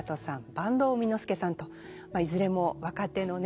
坂東巳之助さんといずれも若手のね